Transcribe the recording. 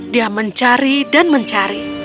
dia mencari dan mencari